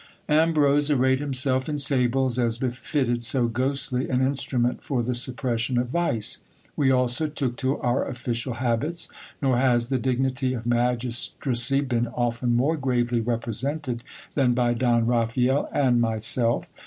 Ambrose arrayed himself in sables, as befitted so ghostly an instrument for the suppression of vice. We also took to our official habits ; nor has the dig n.ty of magistracy been often more gravely represented than by Don Raphael a id myself.